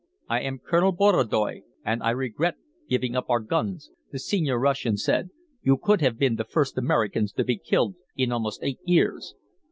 "I am Colonel Borodoy and I regret giving up our guns," the senior Russian said. "You could have been the first Americans to be killed in almost eight years."